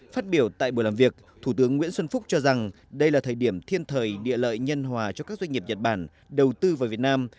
phát biểu tại buổi làm việc thủ tướng nguyễn xuân phúc cho rằng đây là thời điểm thiên thời địa lợi nhân hòa cho các doanh nghiệp nhật bản đầu tư vào việt nam